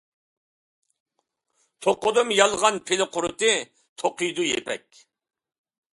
توقۇدۇم يالغان پىلە قۇرۇتى، توقۇيدۇ يىپەك.